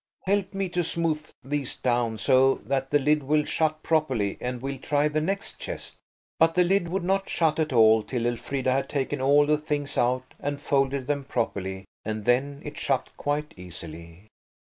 "Help me to smooth these down so that the lid will shut properly, and we'll try the next chest." But the lid would not shut at all till Elfrida had taken all the things out and folded them properly, and then it shut quite easily.